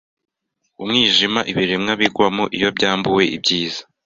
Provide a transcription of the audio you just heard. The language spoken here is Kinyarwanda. umwijima ibiremwa bigwamo iyo byambuwe ibyiza